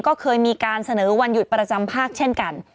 ก็เคยมีการเสนอวันหยุดประจำภาคเช่นกัน